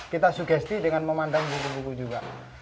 kita sugesti dengan memandang buku buku juga